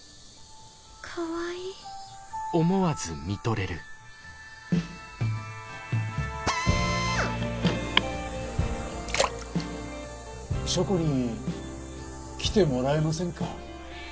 かわいい書庫に来てもらえませんか？